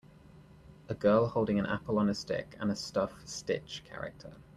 A girl holding a apple on a stick and a stuff Stitch character.